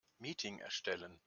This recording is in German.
Meeting erstellen.